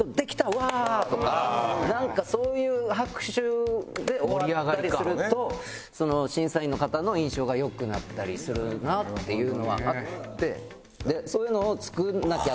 わあ！とかなんかそういう拍手で終わったりすると審査員の方の印象が良くなったりするなっていうのはあって。